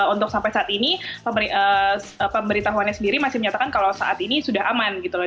untuk sampai saat ini pemberitahuannya sendiri masih menyatakan kalau saat ini sudah aman gitu loh